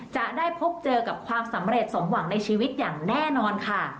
จะได้พบเจอกับความสำเร็จสมหวังในชีวิตอย่างแน่นอนค่ะ